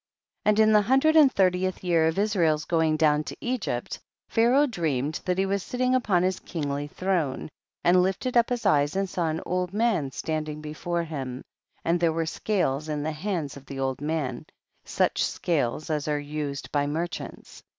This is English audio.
1 1 . And in the hundred and thir tieth year of Israel's going down to Egypt, Pharaoh dreamed that he was sitting upon his kingly throne, and lifted up his eyes and saw an old man standing before him, and there were scales in the hands of the old man, such scales as ai'e used by mer chants.